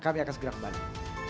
kami akan segera kembali